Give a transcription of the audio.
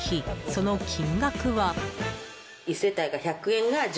その金額は。